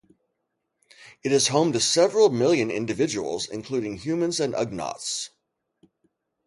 It is home to several million individuals, including humans and Ugnaughts.